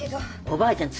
おばあちゃん